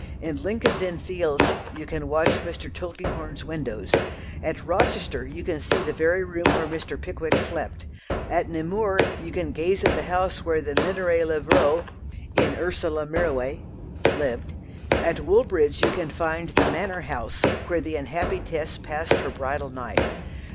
In Lincoln's Inn Fields you can watch Mr. Tulkinghorn's windows; at Rochester you can see the very room where Mr. Pickwick slept; at Nemours you can gaze at the house where The Minoret Levraults (in Ursule Mirouet) lived; at Woolbridge you can find the manor house where the unhappy Tess passed her bridal night.